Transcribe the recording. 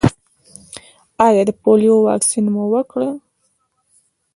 ایا د پولیو واکسین مو ورکړی؟